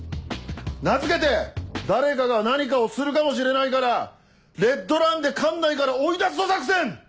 名付けて「誰かが何かをするかもしれないからレッドランで管内から追い出すぞ作戦」！